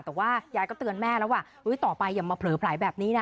แต่ว่ายายก็เตือนแม่แล้วว่าต่อไปอย่ามาเผลอแผลแบบนี้นะ